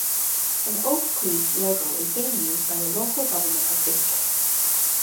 An oak leaf logo is being used by the local government of Biscay.